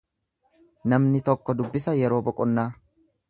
Namni tokko dubbisa yeroo boqonnaa.